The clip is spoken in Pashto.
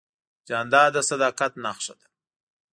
جانداد د صداقت نښه ده.